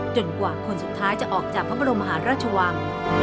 กว่าคนสุดท้ายจะออกจากพระบรมหาราชวัง